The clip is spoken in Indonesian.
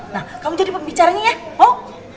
nah kamu jadi pembicaranya ya oh